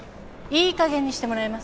いいかげんにしてもらえますか？